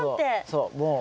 そう。